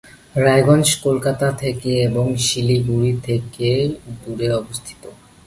রায়গঞ্জ কলকাতা থেকে এবং শিলিগুড়ি থেকে দূরে অবস্থিত।